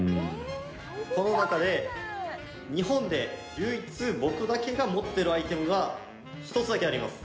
この中で日本で唯一、僕だけが持っているアイテムが１つだけあります。